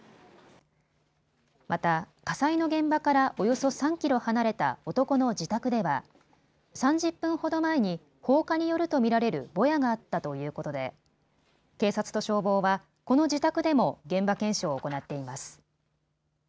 また火災の現場からおよそ３キロ離れた男の自宅では３０分ほど前に放火によると見られるぼやがあったということで警察と消防はこの自宅でも現場検証を行っています。